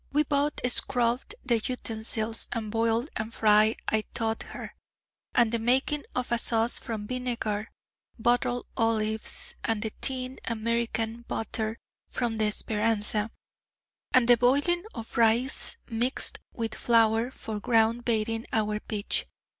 We both scrubbed the utensils, and boil and fry I taught her, and the making of a sauce from vinegar, bottled olives, and the tinned American butter from the Speranza, and the boiling of rice mixed with flour for ground baiting our pitch.